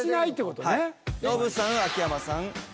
ノブさん秋山さん。